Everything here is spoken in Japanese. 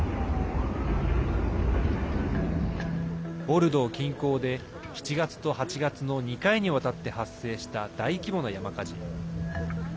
ボルドー近郊で７月と８月の２回にわたって発生した大規模な山火事。